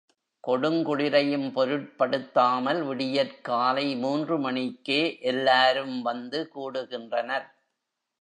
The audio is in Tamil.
கொடுங்குளிரையும் பொருட்படுத்தாமல் விடியற்காலை மூன்று மணிக்கே எல்லாரும் வந்து கூடுகின்றனர்.